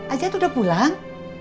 ajat udah pulang